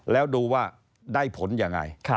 แล้วดูว่าได้ผลยังไง